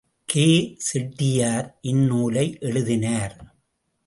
K. Chettiar இந் நூலை எழுதினார்.